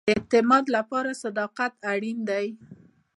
د اعتماد لپاره صداقت اړین دی